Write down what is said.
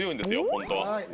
本当は。